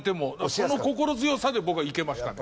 その心強さで僕はいけましたね。